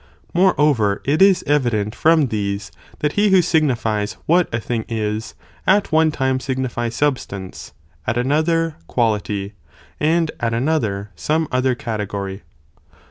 Moreover, it is evident from these that he who signi fies what a thing is, at one time signifies substance, at another quality, and at. another some other category..